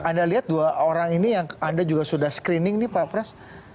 anda lihat dua orang ini yang anda juga sudah screening nih pak pras